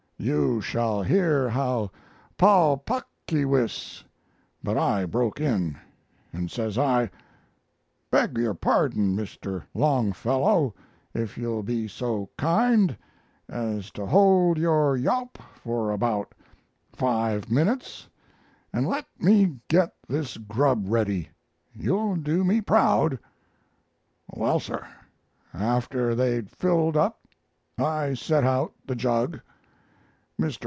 You shall hear how Pau Puk Keewis ' "But I broke in, and says I, 'Beg your pardon, Mr. Longfellow, if you'll be so kind as to hold your yawp for about five minutes and let me get this grub ready, you'll do me proud.' Well, sir, after they'd filled up I set out the jug. Mr.